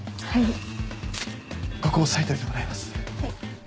はい。